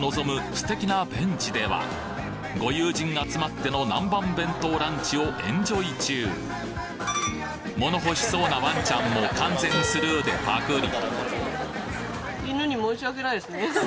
素敵なベンチではご友人集まってのナンバン弁当ランチをエンジョイ中物欲しそうなワンちゃんも完全スルーでパクリ